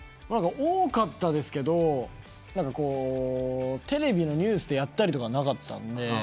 多かったんですけどテレビのニュースでやったりとかなかったので。